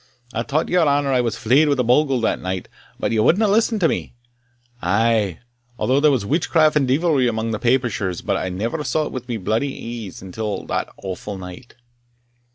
I tauld your honour I was fleyed wi' a bogle that night, but ye wadna listen to me I aye thought there was witchcraft and deevilry amang the Papishers, but I ne'er saw't wi' bodily een till that awfu' night."